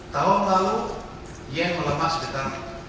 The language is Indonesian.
tahun lalu yen melemas sekitar dua belas